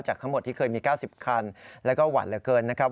ทั้งหมดที่เคยมี๙๐คันแล้วก็หวั่นเหลือเกินนะครับ